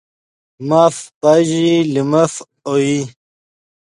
ماف پاژیئی لے مف اوئی